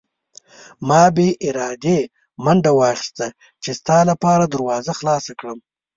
ما بې ارادې منډه واخیسته چې ستا لپاره دروازه خلاصه کړم.